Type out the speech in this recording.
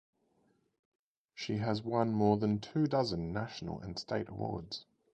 She has won more than two dozen national and state awards.